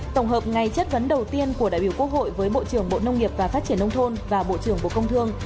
tổng hợp ngày chất vấn đầu tiên của đại biểu quốc hội với bộ trưởng bộ nông nghiệp và phát triển nông thôn và bộ trưởng bộ công thương